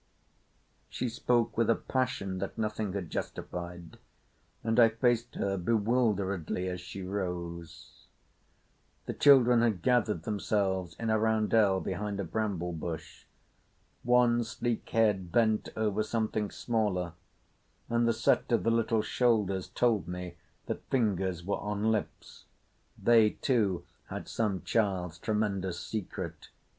She spoke with a passion that nothing had justified, and I faced her bewilderedly as she rose. The children had gathered themselves in a roundel behind a bramble bush. One sleek head bent over something smaller, and the set of the little shoulders told me that fingers were on lips. They, too, had some child's tremendous secret.